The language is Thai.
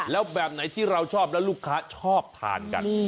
แล้วแบบไหนที่เราชอบแล้วลูกค้าชอบทานกัน